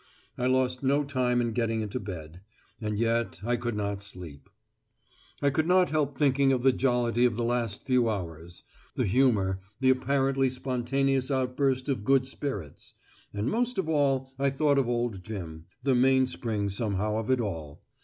I lost no time in getting into bed. And yet I could not sleep. I could not help thinking of the jollity of the last few hours, the humour, the apparently spontaneous outburst of good spirits; and most of all I thought of old Jim, the mainspring somehow of it all.